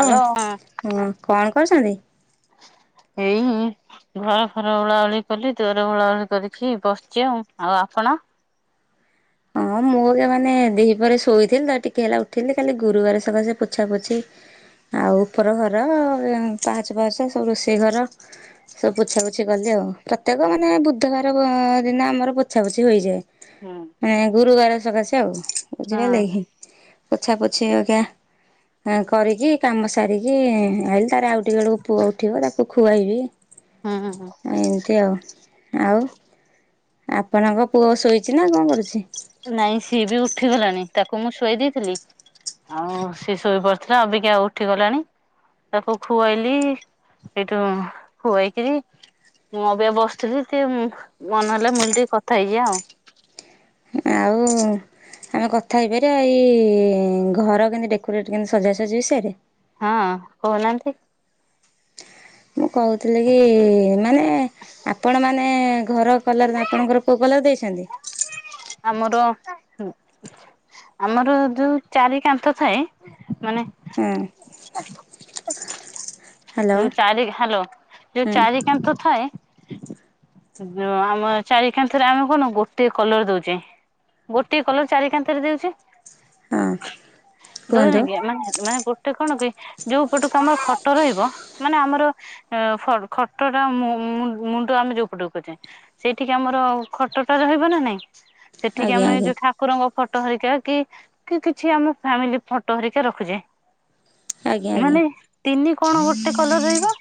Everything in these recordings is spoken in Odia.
ହ୍ୟାଲୋ ହଁ କଣ କରୁଛନ୍ତି? ଏଇ ଘରଫର ଓଳାଓଳି କଲି ଦୁଆର ଓଳାଓଳି କରିକି ବସିଚି ଆଉ, ଆଉ ଆପଣ? ହଁ ମୁଁ ସେ ମାନେ ଦିପହରେ ଶୋଇଥିଲି ତା ଟିକେ ହେଲା ଉଠିଲି କାଲି ଗୁରୁବାରେ ସକାସେ ପୋଛାପୋଛି ଆଉ ଉପର ଘର ଏ ପାହାଚ ଫାହାଚ ସବୁ ରୋଷେଇ ଘର। ସବୁ ପୋଛାପୋଛି କଲି ଆଉ ପ୍ରତ୍ୟେକ ମାନେ ବୁଧବାର ବ ଦିନ ଆମର ପୋଛାପୋଛି ହୋଇଯାଏ। ହୁଁ। ମାନେ ଗୁରୁବାର ସକାଶେ ଆଉ ହଁ ବୁଝିପାଇଲେ କି ପୋଛା ପୋଛି ହଏକା। ଆଁ କରିକି କାମ ସାରିକି ଆଇଲି ତାପର ଆଉ ଟିକେ ବେଳକୁ ପୁଅ ଉଠିବ ତାକୁ ଖୁଆଇବି। ହୁଁ ହୁଁ ଏମିତି ଆଉ, ଆଉ? ଆପଣଙ୍କ ପୁଅ ଶୋଇଚି ନା କଣ କରୁଛି? ନାଇଁ ସିଏ ବି ଉଠିଗଲାଣି ତାକୁ ମୁଁ ଶୁଆଇ ଦେଇଥିଲି ଆଉ ସିଏ ଶୋଇ ପଡିଥିଲା ଅବିକା ଉଠିଗଲାଣି। ତାକୁ ଖୁଆଇଲି ସେଇଠୁ ଖୁଆଇକିରି ମୁଁ ଅବିକା ବସିଥିଲି ଟିକେ ମୁଁ ମନେହଲା ମୁଁ କହିଲି ଟିକେ କଥା ହେଇଯିଆ ଆଉ। ଆଉ ଆମେ କଥା ହେଇପାରିବା ଏଇ ଘର କେମତି ଡେକୋରେଟ୍ କେମତି ସଜାସଜି ବିଷୟରେ। ହଁ କୋହୁନାହାନ୍ତି। ମୁଁ କହୁଥିଲି କି ମାନେ ଆପଣମାନେ ଘର କଲର୍ ନା ଆପଣଙ୍କର କୋଉ କଲର୍ ଦେଇଛନ୍ତି? ଆମର ଆମର ଯୋଉ ଚାରି କାନ୍ଥ ଥାଏ ମାନେ ହଁ ହ୍ୟାଲୋ ଯୋଉ ଚାରି ହାଲୋ ଯୋଉ ହୁଁ ଚାରି କାନ୍ଥ ଥାଏ ଉଁ ଯୋଉ ଆମେ ଚାରିକାନ୍ଥରେ ଆମେ କଣ ଗୋଟିଏ କଲର୍ ଦୋଉ ଚି ଗୋଟିଏ କଲର ଚାରି କାନ୍ଥରେ ଦିଆହୋଉଚି। ହଁ କୁହନ୍ତୁ। ଦୋଉନେକି ଆମେମାନେ ମାନେ ଗୋ ଟେ କଣ କି ଯୋଉ ପଟକୁ ଆମର ଫଟୋ ରହିବ ମାନେ ଆମର ଏ ଫ-ଖଟଟା ମୁ-ମୁଁ-ମୁଣ୍ଡ ଆମେ ଯୋଉ ପଟକୁ କରଚେ ସେଇଠିକି ଆମର ଖଟଟା ରହିବ ନା ନାଇଁ ସେଠିକି ଆଜ୍ଞା ଆମେ ଆଜ୍ଞା ଯୋଉଠା ଠାକୁରଙ୍କ ଫଟୋ ହରିକା କି କି କିଛି ଆମ ଫ୍ୟାମିଲି ଫଟୋ ହରିକା ରଖୁଚେ ଆଜ୍ଞା ଆଜ୍ଞା ମାନେ ତିନି କଣ ଗୋଟେ କଲର ରହିବ?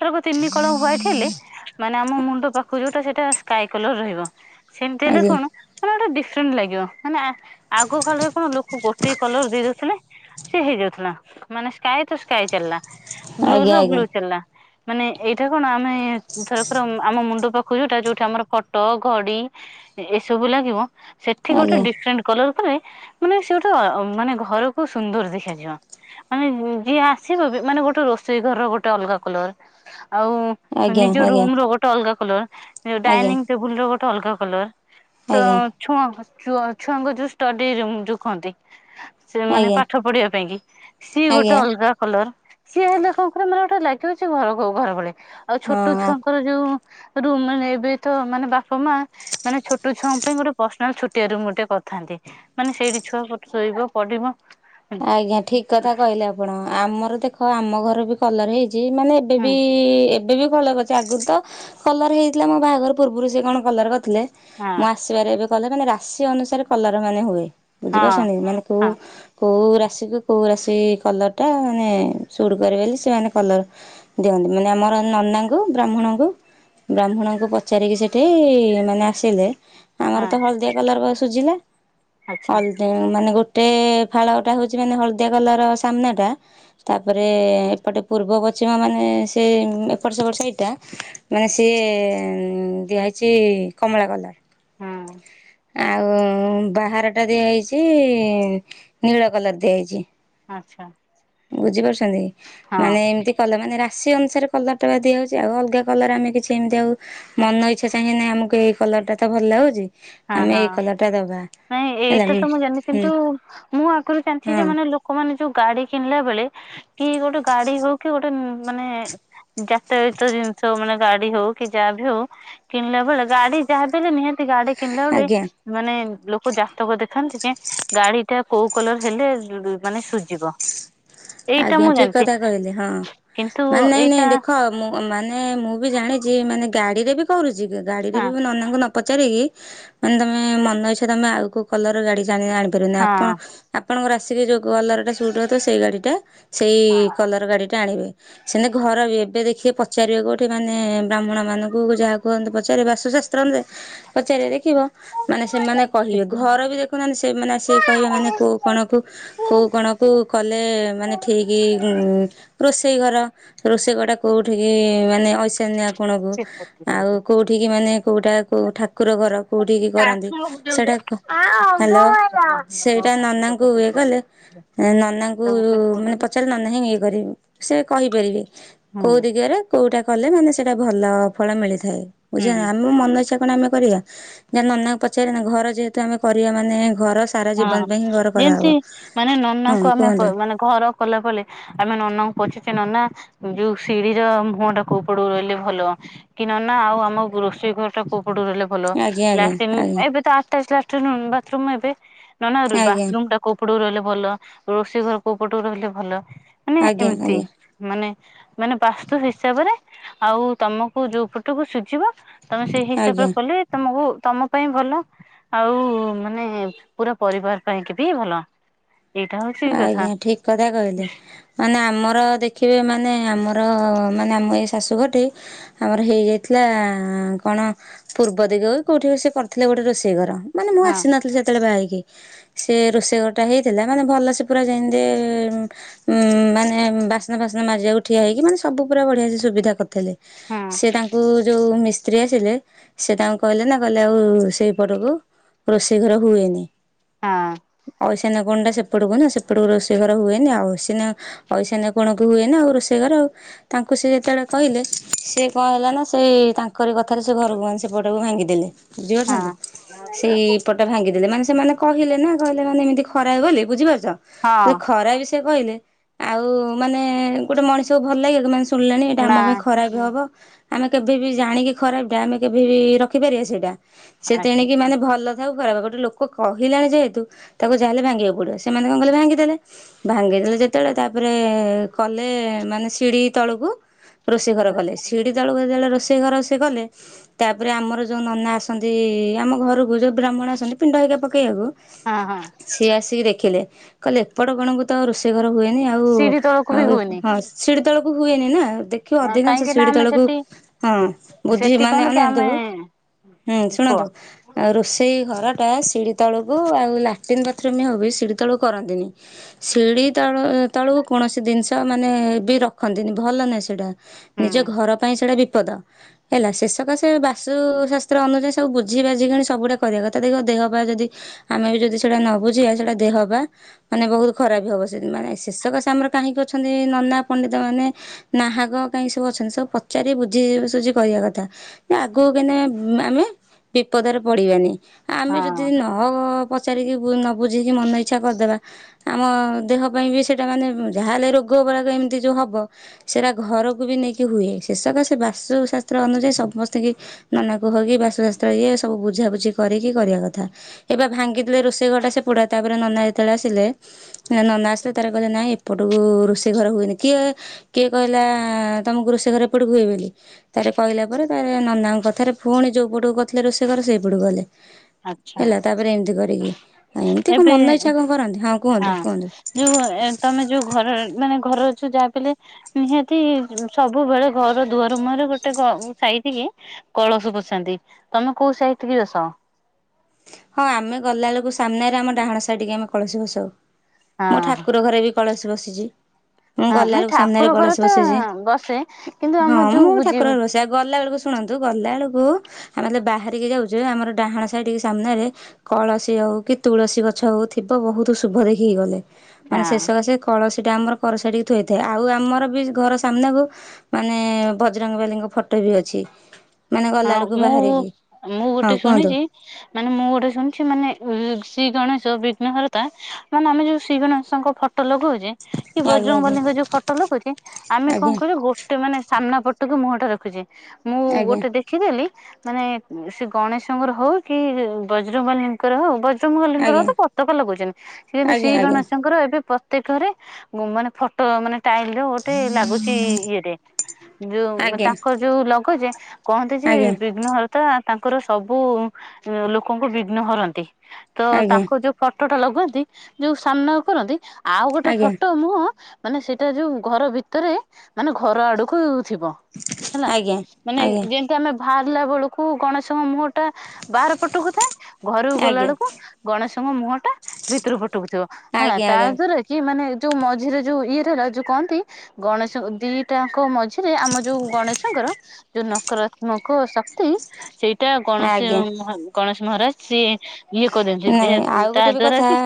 ଥରକୁ ତିନି କଣ ହ୍ୱାଇଟ ହେଲେ ମାନେ ଆମ ମୁଣ୍ଡ ପାଖକୁ ଯୋଉଟା ସେଟା ସ୍କାଏ କଲର୍ ରହିବ ସେମିତି ହେଲେ ଆଜ୍ଞା କଣ ନା ଗୋଟେ ଡିଫରେଣ୍ଟ ଲାଗିବ ମାନେ ଆ-ଆଗ କାଳରେ କଣ ଲୋକ ଗୋଟିଏ କଲର୍ ଦେଇ ଦୋଉଥୁଲେ ସେ ହେଇଯାଉଥୁଲା ମାନେ ସ୍କାଏ ତ ସ୍କାଏ ଚାଲିଲା ଆଜ୍ଞା ଆଜ୍ଞା ବ୍ଲୁର ବ୍ଲୁ ଚାଲିଲା। ମାନେ ଏଇଟା କଣ ଆମେ ଥରକର ଉମ୍ ଆମ ମୁଣ୍ଡ ପାଖୁକୁ ଯୋଉଟା ଯୋଉଠି ଆମର ଫଟୋ, ଘଡି ଏ-ଏସବୁ ଲାଗିବ ସେଠି ଗୋଟେ ଆଜ୍ଞା। ଡିଫରେଣ୍ଟ୍ କଲର ଉପରେ ମାନେ ସେ ଗୋଟେ ଅ ମାନେ ଘରକୁ ସୁନ୍ଦର ଦେଖାଯିବା। ମାନେ ଯିଏ ଆସିବ ବି ମାନେ ଗୋଟେ ରୋଷେଇ ଘର ଗୋଟେ ଅଲଗା କଲର। ଆଉ ଆଜ୍ଞା ନିଜ ଆଜ୍ଞା ରୁମର ଗୋଟେ ଅଲଗା କଲର ଆଜ୍ଞା ଡାଇନିଂ ଟେବୁଲ ର ଗୋଟେ ଅଲଗା କଲର ତ ଆଜ୍ଞା ଛୁଆ ଚୁ ଛୁଆଙ୍କ ଯୋଉ ଷ୍ଟଡିରୁମ ଯୋଉ କହନ୍ତି। ସେମାନେ ପାଠ ପଢିବା ପାଇଁ କି ସିଏ ଆଜ୍ଞା ଗୋଟେ ଆଜ୍ଞା ଅଲଗା କଲର। ସିଏ ହେଲେ କଣ କହ [unintelligible] ମାନେ ଗୋଟେ ଲାଗିବଛି ଘ ଘର ଭଳେ ଆଉ ଛୋଟ ହଁ। ଛୁଆଙ୍କର ଯୁ ରୁମ୍ ଏବେ ତ ମାନେ ବାପ ମା ମାନେ ଛୋ ଟ ଛୁଆ ପାଇଁ ମୋର ପର୍ସନାଲ ଛୋଟିଆ ରୁମ ଗୋଟେ କରିଥାନ୍ତି। ମାନେ ସେଇଠି ଛୁଆ ଶୋଇବ ପଢିବ। ଆଜ୍ଞା ଠିକ କଥା କହିଲେ ଆପଣ ଆମର ଦେଖ ଆମ ଘର ବି କଲର ହେଇଛି ମାନେ ଏବେ ହୁଁ ବି ଏବେ ବି କଲର କରିଛି ଆଗରୁ ତ କଲର ହେଇଥିଲା ମୋ ବାହାଘର ପୂର୍ବରୁ ସେ କଣ କଲର କରିଥିଲେ? ହଁ ମୁଁ ଆ ଆସିବାରେ ଏବେ କଲେ ମାନେ ରାଶି ଅନୁସାରେ କଲର ମାନେ ହୁଏ ହଁ ବୁଝିପାରୁଛନ୍ତି ମାନେକୁ ହଁ କୋଉ ରାଶିକୁ କୋଉ ରାଶି କଲରର୍ଟା ମାନେ ସୁଡ଼୍ କରେ ବୋଲି ସେମାନେ କଲର୍ ଦିଅନ୍ତି ମାନେ ଆମର ନନାଙ୍କୁ ବ୍ରାହ୍ମଣଙ୍କୁ ବ୍ରାହ୍ମଣଙ୍କୁ ପଚାରିକି ସେଇଠି ମାନେ ଆସିଲେ। ଆମର ହଁ ତ ହଳଦିଆ କଲର ସୁୁଝିଲା। ଆଚ୍ଛା ହଲଦିଆ ମାନେ ଗୋଟେ ଫାଳଟା ହେଉଛି ମାନେ ହଳଦିଆ କଲର ସାମ୍ନାଟା। ତାପରେ ଏପଟେ ପୂର୍ବ ପଶ୍ଚିମ ମାନେ ସେ ଏପଟ ସେପଟ ସାଇଟି ଟା। ମାନେ ସିଏ ଦିଆହେଇଛି କମଳା କଲର। ହୁଁ। ଆଉ ବାହାର ଟା ଦିଆହେଇଛି ନୀଳ କଲର ଦିଆହେଇଛି। ଆଚ୍ଛା। ବୁଝିପାରୁଛନ୍ତି ହଁ ମାନେ ଏମିତି କଲ ମାନେ ରାଶି ଅନୁସାରେ କଲର ଟା ଦିଆହଉଛି ଆଉ ଅଲଗା କର ଆମେ କିଛି ଏମିତି ଆଉ ମନ ଇଛା ଚାହିଁନ ଆମକୁ ଏଇ କଲର ଟା ତ ଭଲ ଲାଗୁଛି ହଁ ଆମେ ହଁ ଏଇ କଲର ଟା ଦବା ନାଇଁ ହେଲା ଏଇଟା ହୁଁ ତ ମୁଁ ଜାଣିନି କିନ୍ତୁ ମୁଁ ଆଗରୁ ଜାଣିଛି ଯେ ହଁ ମାନେ ଲୋ ଲୋକମାନେ ଯୋଉ ଗାଡି କିଣିଲା ବେଳେ କି ଗୋଟେ ଗାଡି ହଉ କି ଗୋଟେ ମାନେ ଯାତାୟାତ ଜିନିଷ ମାନେ ଗାଡି ହଉ କି ଯାଆ ବି ହଉ କିଣିଲା ବେଳେ ଗାଡି ଯାହାବିହେଲେ ନିହାତି ଗାଡି କିଣିଲା ବଳେ ଆଜ୍ଞା ମାନେ ଲୋକ ଜାତକ ଦେଖାନ୍ତି ଯେ ଗାଡି ଟା କୋଉ କଲର ହେଲେ ମାନେ ସୁଝିବ? ଆଜ୍ଞା ଠିକ କଥା କହିଲେ ହଁ କିନ୍ତୁ ମାନେ ନାଇଁ ନାଇଁ ଏଇଟା ଦେଖ ମୁଁ ମାନେ ମୁଁ ବି ଜାଣିଛି ମାନେ ଗାଡିରେ ବି କରୁଛି ଗାଡିରେ ହଁ ବି ନନାଙ୍କୁ ନ ପଚାରିକି ମାନେ ତମେ ମନ ଇଛା ତମେ ଆଉ କୋଉ କଲର ଗାଡି ଆଣିପାରିବନି। ଆପ ଆପଣଙ୍କର ରାଶିରେ ଯେଉଁ କଲରଟା ସୁଟ୍ ହଉଥିବ ସେଇ ଗାଡ଼ିଟା ସେଇ କଲର ଗାଡ଼ିଟା ଆଣିବେ। ସେମିତି ଘର ବି ଏବେ ଦେଖିବେ ପଚାରିବେ କୋଉଠି ମାନେ ବ୍ରାହ୍ମଣ ମାନଙ୍କୁ ଯାହା କୁହନ୍ତି ପଚାରିବେ ବାସୁଶାସ୍ତ ତ୍ର ଅନୁଯାଇ ପଚାରିବେ ଦେଖିବ ମାନେ ସେମାନେ କହିବେ ହଁ ଘର ବି ଦେଖୁନାହାନ୍ତି ସେମାନେ ଆସିକି କହିବେ ମାନେ କୁ କଣ କୁ କୋଉ କଣ କୁ କଲେ ମାନେ ଠକି ରୋଷେଇ ଘର ରୋଷେଇ ଘର ଟା କୋଉଠିକି ମାନେ ଐଶାନ୍ୟ କଣ କୁ ହଁ ଆଉ କୋଉଠିକି ମାନେ କୋଉଟା କୁ କୋଉ ଠା କୁର ଘର କୁଉଠିକି କରନ୍ତି? ହୁଁ ସେଇଟା ହ୍ୟାଲୋ ସେଇଟା ନନାଙ୍କୁ ଇଏ କଲେ ନନାଙ୍କୁ ମାନେ ପଚାରିଲେ ନନା ହି ଇଏ କରିବେ ସେ କହିପାରିବେ। କୋଉଦି ଇଏରେ କୋଉଟା କଲେ ମାନେ ସେଇଟା ଭଲ ଫଳ ମିଳିଥାଏ। ବୁଝିପାଉନେ ହୁଁ। ଆମ ମନ ଇଛା କଣ ଆମେ କରିବା ଯା ନନାଙ୍କୁ ପଚାରିବା ଘର ଯେହେତୁ ଆମେ କରିବା ମାନେ ଘର ସାରା ହଁ ଜୀବନ ପାଇଁ ହିଁ ଘର କରାହବ। ଯେମୀତି ମାନେ ହଁ ନନାକୁ ଆମେ ପ କୁହନ୍ତୁ ମାନେ ଘର କଲା ପଲେ ଆମେ ନନାଙ୍କୁ ପଚାଛେ ନନା ଯୋଉ ସିଢିର ମୁହଁ ଟା କଉ ପଟକୁ ରହିଲେ ଭଲ? କି ନ ନା ଆଉ ଆମ ରୋଷେଇ ଘର ଟା କୋଉ ପଟୁ ରହିଲେ ଭଲ ଆଜ୍ଞା ଆଜ୍ଞା ଲାଟିନ୍ ଆଜ୍ଞା ଏବେ ତ ଆଟାଜ ଲାଟିନ୍ ବାଥରୁମ ଏବେ। ନନା ଆଜ୍ଞା ବାଥରୁମ ଟା କୋଉ ପଟକୁ ରହିଲେ ଭଲ ରୋଷେଇ ଘର କୋଉ ପଟକୁ ରହିଲେ ଭଲ? ମାନେ ଆଜ୍ଞା ଏମିତି। ଆଜ୍ଞା ମାନେ ମାନେ ବାସ୍ତୁ ହିସାବରେ ଆଉ ତମକୁ ଯୋଉ ପଟକୁ ସୁଝିବ। ତମେ ସେଇ ହିସାବରେ ଆଜ୍ଞା। କଲେ ତମକୁ ତମ ପାଇଁ ଭଲ ଆଉ ମାନେ ପୁରା ପରିବାର ପାଇଁ କି ବି ଭଲ। ଏଇଟା ହଉଛି କଥା ଆଜ୍ଞା ଠିକ କଥା କହିଲେ। ମାନେ ଆମର ଦେଖିବେ ମାନେ ଆମର ମାନେ ଆମ ଏଇ ଶାଶୁଘଟି ଆମର ହେଇଯାଇଥିଲା କଣ ପୂର୍ବ ଦିଗ କୋଉଠି ର ସେ କରିଥିଲେ ଗୋଟେ ରୋଷେଇ ଘର। ମାନେ ମୁଁ ହଁ ଆସି ନଥିଲି ସେତେବେଳେ ବାହେଇକି। ସେ ରୋଷେଇ ଘର ଟା ହେଇଥିଲା। ମାନେ ଭଲ ସେ ପୁରା ଯେମିତି ଉଁ ମାନେ ବାସ୍ନା ଫସ୍ନା ମାରିବାକୁ ଠିଆ ହେଇକ ମାନେ ସବୁ ପୁରା ବଢିଆ ସେ ସୁବିଧା କରିଥିଲେ। ହଁ ସେ ତାଙ୍କ କ ଯୋଉ ମିସ୍ତ୍ରୀ ଆସିଲେ ସେ ତାଙ୍କୁ କହିଲେ ନା କହିଲେ ଆଉ ସେଇ ପଟକୁ ରୋଷେଇ ଘର ହୁଏନି। ହଁ ଏ ଐସନ୍ୟ କୋଣଟା ସେ ସେପଟ କ ନା ସେପଟକୁ ରୋଷେଇ ଘର ହୁଏନି ଆଉ ଐଶନ୍ୟ କଣକୁ ହୁଏନି ଆଉ ରୋଷେଇ ଘର ଆଉ। ତାଙ୍କୁ ସେ ଯେତେବେଳେ କହିଲେ ସିଏ କଣ ହେଲା ନା ସେଇ ତାଙ୍କରି କଥା ପାଖରେ ସେ ଘରକୁ ସେପଟକୁ ଭାଙ୍ଗିଦେଲେ। ହଁ ବୁଝିପାରୁଚନ୍ତି। ସେଇପଟା ଭାଙ୍ଗିଦେଲେ ମାନେ ସେମାନେ କହିଲେ ନା କହିଲେ ମାନେ ଏମିତି ଖରାପ ବୋଲି। ବୁଝିପାରୁଚ ଦ ହଁ ଖରାପେ ସେ କହିଲେ ଆଉ ମାନେ ଗୋଟେ ମଣିଷ କୁ ଭଲ ଲାଗିବକି ମାନେ ଶୁ ଶୁଣିଲାଣି ଏଇଟା ଆମ ନା ପାଇଁ ଖରାପ। ହବ ଆମେ କେବେ ବି ଜାଣିକି ଖରାପଟା ଆମେ କେବେ ବି ରଖିପାରିବା ସେଇଟା ସେ ତେଣିକି ମାନେ ଭଲ ଥାବ ଖରାପ ଗୋଟେ ଲୋକ କହିଲାଣି ଯେହେତୁ ତାକୁ ଯାହାେଲେ ଭାଙ୍ଗିବାକୁ ପଡିବ। ସେମାନେ କଣ କଲେ ଭାଙ୍ଗିଦେଲେ। ଭାଙ୍ଗିଦେଲେ ଯେତେବେଳେ ତାପରେ କଲେ ମାନେ ସିଢ଼ି ତଳକୁ ରୋଷେଇ ଘର କଲେ। ସିଡ଼ିି ତଳକୁ ଯେତେବେଳେ ରୋଷେଇ ଘର ସେ କଲେ ତାପରେ ଆମର ଯୋଉ ନନା ଆସନ୍ତି ଆମ ଘରକୁ ଯୋଉ ବ୍ରାହ୍ମଣ ଆସନ୍ତି ପିଣ୍ଡ ହେରିକା ପକେଇବାକୁ, ହଁ ହଁ ସିଏ ଆସିକି ଦେଖ ଦେଖିଲେ କହିଲେ ଏପଟ କଣକୁ ତ ରୋଷେଇ ଘର ହୁଏନି ଆଉ ସିଢି ତଳକୁ ଆଉ ବି ହୁଏନି ହଁ। ସିଡି ତଳକୁ ହୁଏନି ନା। ଦେଖ ଅଧିକାଂଶ କାହିଁକି ନା ସିଢି ଆମେ ତେଳକୁ ସେଠି ହଁ ବୁଝି ସେଠି ମାନେ କଣ କି ଅନାହାନ୍ତୁ। ଆମେ ହୁଁ କୁହ ଶୁଣନ୍ତୁ। ଆଉ ରୋଷେଇ ଘରଟା ସିଢ଼ି ତଳକୁ ଆଉ ଲାଟିନ୍ ବାଥରୁମ ହଉ ବି ସିଢ଼ି ତଳକୁ କରନ୍ତିନି। ସିଢ଼ି ତଳ ତଳକୁ କୌଣସି ଜିନିଷ ମାନେ ବି ରଖନ୍ତିନି ଭଲ ନାହିଁ ସେଇଟା। ହୁଁ ନିଜ ଘର ପାଇଁ ସେଇଟା ବିପଦ। ହେଲା ଶେଷକାସେ ବାସୁଶାସ୍ତ୍ର ଅନୁଯାୟୀ ସବୁ ବୁଝି ବାଝିକଣି ସବୁଡ଼ା କରିବା କଥା ଦେଖ ଦେହ ପାଇଁ ଯଦି ଆମେ ବି ଯଦି ସେଟା ନ ବୁଝିବା ସେଟା ଦେହ ବା ମାନେ ବହୁତ ଖରାପ ହବ। ସେ ମାନେ ଶେଷକ ସେ ଆମର କାହିଁକି ଅଛନ୍ତି ନନା ପଣ୍ଡିତ ମାନେ ନାହାକ କାଇଁକି ସବୁ ଅଛନ୍ତି ସବୁ ପଚାରି ବୁଝିସୁଝି କରିବା କଥା। ନା ଆଗକୁ କାଇଁନା ଆମେ ବିପଦରେ ପଡିବାନି। ଆମେ ହଁ ଯଦି ନ ପଚାରିକି ନ ବୁଝିକି ମନଇ ଆମ ଦେହ ପାଇଁ ବି ସେଟା ମାନେ ଯାହା ହେଲେ ରୋଗ ବରାଗ ଏମିତି ଯୋଉ ହବ। ସେଟା ଘରକୁ ବି ନେଇକି ହୁଏ। ସେଷକ ସେ ବାସ୍ତୁଶାସ୍ତ୍ର ଅନୁଯାୟୀ ସମସ୍ତଙ୍କୁ ନନାକୁ ହକି ବାସ୍ତୁଶାସ୍ତ୍ର ଇଏ ସବୁ ବୁଝାବୁଝି କରିକି କରିବା କଥା। ଏ ବା ଭାଙ୍ଗିଥିଲେ ରୋଷେଇ ଘରଟା ସେ ପୋଡା ତାପରେ ନନା ଯେତେବେଳେ ଆସିଲେ ନନା ଆସିଲେ ତାର କହିଲେ ନାଇଁ ଏପଟକୁ ରୋଷେଇ ଘର ହୁଏନି। କିଏ କିଏ କହିଲା ତମକୁ ରୋଷେଇ ଘରେ ଏପଟକୁ ହୁଏ ବୋଲି। ତାରେ କହିଲା ପରେ ତାର ନନାଙ୍କ କଥାରେ ପୁଣି ଯୋଉପଟକୁ କରିଥିଲେ ରୋଷେଇ ଘର ସେଇପଟକୁ କଲେ। ଆଚ୍ଛା ହେଲା ତାପରେ ଏମିତି କରିକି ଆ ଏମିତି କଣ ଏବେ ମନ ଇଚ୍ଛା କଣ କରନ୍ତି ହଁ କୁହନ୍ତୁ କୁହନ୍ତୁ। ଯୋଉ ତମେ ଯୋଉ ଘର ମାନେ ଘର ଅଛ ଯାହାବି ହେଲେ। ନିହାତି ସବୁବେଳେ ଘର ଦୁଆର ମୁହରେ ଗୋଟେ ଗ ସାଇଡି କି କଳସ ବସାନ୍ତି ତମେ କୋଉ ସାଇଟି କି ବସ? ହଁ ଆମେ ଗଲାବେଳକୁ ସାମ୍ନାରେ ଆମ ଡାହାଣ ସାଇଡି କି ଆମେ କଳସୀ ବସାଉ ମୋ ହଁ ଠାକୁର ଘରେ ବି କଳସୀ ବସିଛି। ମୁଁ ହଁ ଗଲା ନାଇଁ ବେଳକୁ ସାମ୍ନାରେ ଠାକୁର ଘର କଳସୀ ତ ବସିଛି ବସେ କିନ୍ତୁ ହଁ ଆମର ଯୋଉ ମୁଁ ବୁଝି ଠାକୁରଅରେ ବସାଏ ଆଉ ଗଲା ବେଳକୁ ଶୁଣନ୍ତୁ ଗଲା ବେଳକୁ ଆମେ ଯେତେଳେ ବାହାରିକି ଯାଉଛେ ଆମର ଡାହାଣ ସାହିିଟିକି ସାମ୍ନାରେ କଳସୀ ହଉ କି ତୁଳସୀ ଗଛ ହଉ ଥିବ ବହୁତୁ ଶୁଭ ଦେଖିକି ଗଲେ। ମାନେ ହଁ ଶେସକାସେ କଳସୀ ଟା ଆମର କର ସାଇଟିକି ଥୁଆ ହୋଇଥିବ ଆଉ ଆମର ବି ଘର ସାମ୍ନାକୁ ମାନେ ବଜରଙ୍ଗବାଲିଙ୍କ ଫଟୋ ବି ଅଛି। ମାନେ ଗଲା ହଁ ଏଳୁକୁ ମୁଁ ବାହାରିକି ମୁଁ ଗୋଟେ ହଁ କୁହନ୍ତୁ। ଶୁଣିଛି ମାନେ ମୁଁ ଗୋଟେ ଶୁଣିଛି ମାନେ ଉଁ ଶ୍ରୀ ଗଣେଶ ବିଘ୍ନ ହରତା ମାନେ ଆମେ ଯେଉ ଶ୍ରୀ ଗଣେଶଙ୍କ ଫ ଫଟ ଲଗଉଚେ କି ଆଜ୍ଞା ବଜରଙ୍ଗବାଲିୀଙ୍କ ଯୋଉ ଫଟୋ ଲଗଉଚି ଆମେ କଣ ଆଜ୍ଞା କରିବୁ ଗୋ ସେ ମାନେ ସାମ୍ନା ପଟୁକୁ ମୁହଁଟା ରଖୁଛି ମୁଁ ଆଜ୍ଞା ଗୋଟେ ଦେ ଖିଦେଲି ମାନେ ସେ ଗଣେଶଙ୍କର ହଉ କି [unintelligible] ବଜ୍ରବାଲୀଙ୍କର ହଉ ବ [unintelligible] ବାଲୀଙ୍କର ତ ଆଜ୍ଞା ପତାକା ଲଗଉଚେନ୍ ସେ କିନ୍ତୁ ଶ୍ରୀ ଆଜ୍ଞା। ଗଣେଶଙ୍କର ଏବେ ପ ତେଖରେ ଉଁ ମାନେ ଫଟୋ ମାନେ ଟାଇଲ୍ ଯୋଉ ଗୋଟେ ଲାଗୁଛି ଇଏଟେ ଆଜ୍ଞା ଆଜ୍ଞା ଯୋଉ ଆଜ୍ଞା ତାଙ୍କର ଯୋଉ ଲଗଉଚେ କହନ୍ତି ଯେ ଆଜ୍ଞା ବିଘ୍ନ ହରତା ତାଙ୍କର ସବୁ ଉଁ ଲୋକଙ୍କୁ ବିଘ୍ନ ହରନ୍ତି। ତ ତାଙ୍କୁ ଆଜ୍ଞା ଯୋଉ ଫଟୋଟା ଲଗାନ୍ତି ଯୋଉ ସାମ୍ନାକୁ କରନ୍ତି ଆଉ ଗୋଟେ ଆଜ୍ଞା ଆଜ୍ଞା ଫଟୋ ମୁଁହ ମାନେ ସେଇଟା ଯଉ ଘର ଭିତରେ ମାନେ ଘର ଆଡକୁ ଥିବ। ହେଲା ମାନେ ଏତା ଆମେ ଭାରଲା ବେଳକୁ ଗଣେଶଙ୍କ ମୁହଁ ଟା ବାହାର ପଟକୁ ଥାଏ ଘରକୁ ଆଜ୍ଞା ଗଲା ଆଜ୍ଞା ଆଜ୍ଞା ବେଳକୁ ଗଣେଶଙ୍କ ମୁହଁ ଟା ଭିତରୁ ପଟୁକୁଥିବ ହେଲା ଆଜ୍ଞା ଆଜ୍ଞା। ତାଦେହରେ କି ମାନେ ଯୋଉ ମଝିରେ ଯୋଉ ଇଦ୍ ହେଲା ଯୋଉ କହନ୍ତି। ଗଣେଶଙ୍କ ଦିଟାଙ୍କ ମଝିରେ ଆମ ଯୋଉ ଗଣେଶଙ୍କର ଯୋଉ ନ କାରାତ୍ମକ ଶକ୍ତି ସେଇଟା ଗଣେଶ ଆଜ୍ଞା ମହା ଗଣେଶ ମହାରାଜ ସିଏ ଇଏ କରନ୍ତି ନାଇଁ ଯେ ଆଉ ତା ଗୋଟେ ବି ଦ୍ଵାରା କଥା କି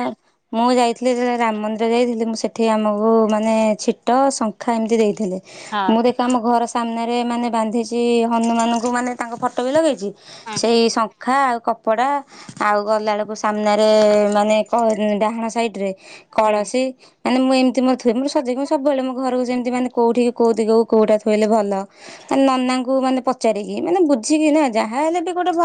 ମୁଁ ଯାଇଥିଲି ଯେଳେ ରାମ ମନ୍ଦିର ଯାଇଥିଲି ମୁଁ ସେଠି ଆମକୁ ମାନେ ଛିଟ ଶଙ୍ଖା ଏମିତି ଦେଇଥିଲେ। ହଁ ମୁଁ ଦେଖ ଆମ ଘର ସାମ୍ନାରେ ମାନେ ବାନ୍ଧିଛି ହନୁମାନଙ୍କୁ ମାନେ ତାଙ୍କ ଫଟୋ ବି ଲଗେଇଛି। ହଁ ସେଇ ଶଙ୍ଖା ଆଉ କପଡା ଆଉ ଗଲା ଏଳକୁ ସାମ୍ନାରେ ମାନେ [unintelligible] ଡାହାଣ ସାଇଟ୍ ରେ ହୁଁ। କଳସୀ ମାନେ ମୁଁ ଏମିତି ମର ଥୁଏ ମୋ ସଜେଇକି ମୁଁ ସବୁବେଳେ ମୋ ଘରକୁ ଯେମିତି ମାନେ କଉଠି କୋଉ ଦିଗକୁ କୋଉଟା ଥୋଇଲେ ଭଲ। ଏ ନନାଙ୍କୁ ମାନେ ପଚାରିକି ମାନେ ବୁଝିକି ନା ଯାହା ହେଲେ ବି ଗୋଟେ ଭ